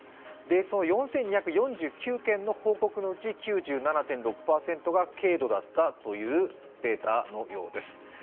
その４２４９件の報告のうち９７．６％が軽度だったというデータのようです。